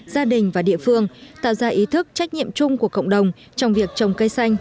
gia đình và địa phương tạo ra ý thức trách nhiệm chung của cộng đồng trong việc trồng cây xanh